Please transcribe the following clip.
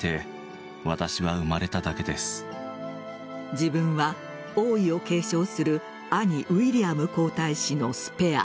自分は、王位を継承する兄・ウィリアム皇太子のスペア。